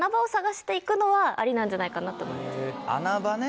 穴場ね。